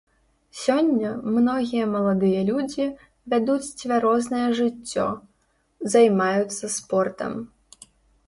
Сёння многія маладыя людзі вядуць цвярозае жыццё, займаюцца спортам.